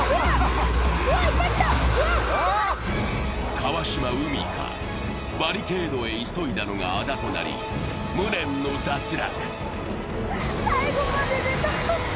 川島海荷、バリケードに急いだのがあだとなり、無念の脱落。